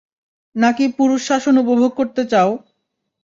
নাকি পুরুষ শাসন উপভোগ করতে চাও?